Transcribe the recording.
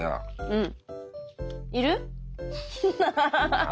うん。